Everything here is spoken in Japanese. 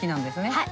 はい。